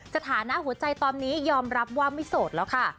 ฐานะหัวใจตอนนี้ยอมรับว่าไม่โสดแล้วค่ะ